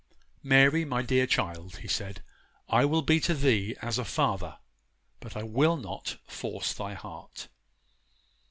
'Mary, my dear child,' he said, 'I will be to thee as a father; but I will not force thy heart.